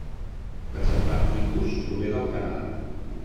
L'exemplar tipus prové del Canadà.